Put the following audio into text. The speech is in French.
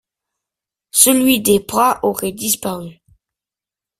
Celui des Pras aurait disparu.